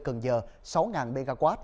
cần giờ sáu mw